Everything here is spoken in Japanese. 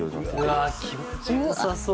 うわっ気持ち良さそう！